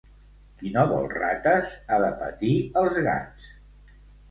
Qui no vol rates, ha de patir els gats.